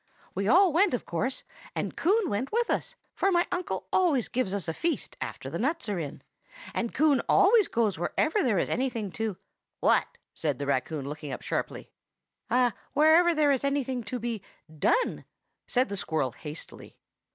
We all went, of course, and Coon went with us, for my uncle always gives us a feast after the nuts are in, and Coon always goes wherever there is anything to—" "What?" said the raccoon, looking up sharply. "Wherever there is anything to be done!" said the squirrel hastily.